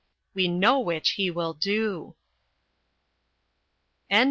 WE KNOW WHICH HE WILL DO VIII.